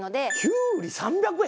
キュウリ３００円！